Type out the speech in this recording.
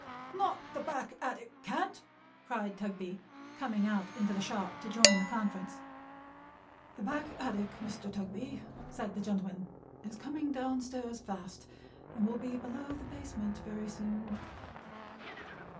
"Not the back attic can't!" cried Tugby, coming out into the shop to join the conference. "The back attic, Mr. Tugby," said the gentleman, "is coming down stairs fast, and will be below the basement very soon."